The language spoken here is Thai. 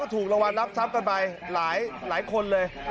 ถูกรางวัลรับทรัพย์กันไปหลายคนเลย